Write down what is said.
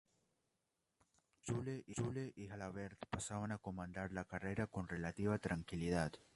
Zülle y Jalabert pasaban a comandar la carrera con relativa tranquilidad.